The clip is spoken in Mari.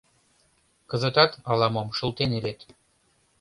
Кызытат ала-мом шылтен илет.